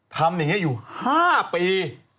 ทำอย่างนี้อยู่๕ปี